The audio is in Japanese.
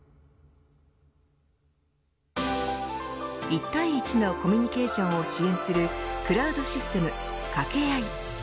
一対一のコミュニケーションを支援するクラウドシステム